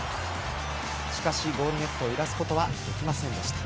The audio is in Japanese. しかし、ゴールネットを揺らすことはできませんでした。